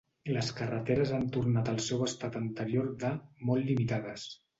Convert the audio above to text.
Les carreteres han tornat al seu estat anterior de "molt limitades".